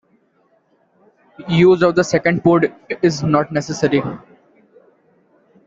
Use of the second port is not necessary.